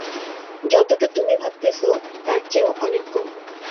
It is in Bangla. যতটা তুমি ভাবতেছ, তার চেয়েও অনেক কম।